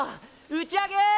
打ち上げ！